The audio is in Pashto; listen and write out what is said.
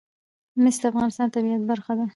مس د افغانستان د طبیعت برخه ده.